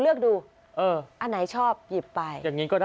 เลือกดูอันไหนชอบหยิบไป